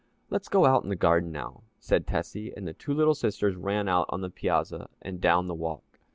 "Let's go out in the garden now," said Tessie, and the two little sisters ran out on the piazza and down the walk.